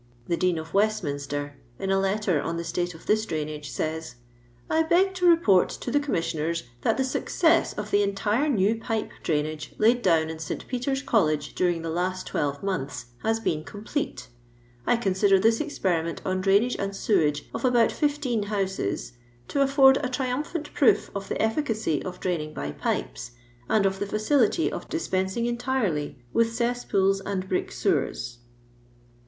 " The Dean of Westainiter, in a letter on the state of this dntinage, aajs, ' I beg to report to the Commissioners that the success of the entire new pipe drainage laid down in St. Peter's Col lege during the last twelve montha has been com plete. I consider this experiment on draioage and sewage of about fifteen houses to a£furd a triumphant proof of the efficacy of draining by pipes, and of the fiicility of dupensing entirely with cesspcoh and brick seKert.